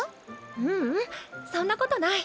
ううんそんなことない。